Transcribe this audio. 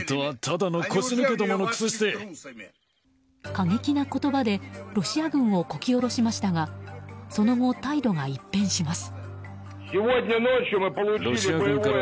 過激な言葉でロシア軍をこき下ろしましたがその後、態度が一変します。